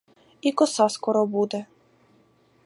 І коса скоро буде!